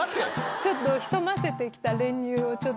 ちょっと潜ませてきた。